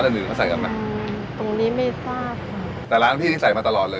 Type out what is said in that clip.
หรือเขาใส่กันมาอืมตรงนี้ไม่ทราบค่ะแต่ร้านพี่นี่ใส่มาตลอดเลย